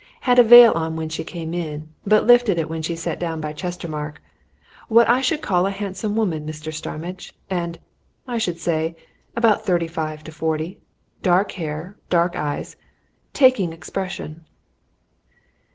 "Had a veil on when she came in, but lifted it when she sat down by Chestermarke. What I should call a handsome woman, Mr. Starmidge and, I should say, about thirty five to forty. Dark hair, dark eyes taking expression."